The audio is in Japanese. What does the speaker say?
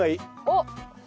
おっ！